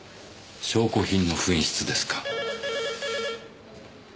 証拠品の紛失ですか。